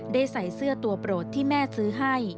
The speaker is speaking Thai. ได้ใส่เสื้อตัวโปรดที่แม่ซื้อให้